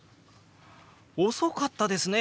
遅かったですね。